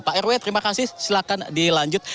pak rw terima kasih silakan dilanjut